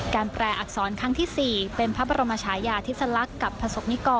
การแปลอักษรครั้งที่๔เป็นพระบรมชายาทฤษลักษ์กับพะสกนิกร